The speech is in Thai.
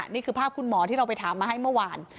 นี่คือภาพคุณหมอที่เราไปถามมาให้เมื่อวาน